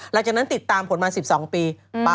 หลังจากนั้นติดตามผลมา๑๒ปี